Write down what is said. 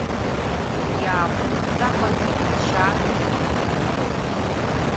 Иааҟәымҵӡакәан, игәыҭшьаагаха икьыркьыруан.